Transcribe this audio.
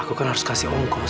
aku kan harus kasih ongkos